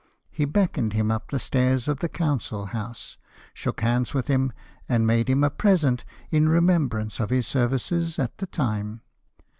He beckoned him up the stairs of the Council House, shook hands with him, and made him a present, in remembrance of his services at that time.